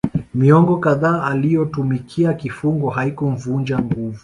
Miongo kadhaa aliyotumikia kifungo haikumvunja nguvu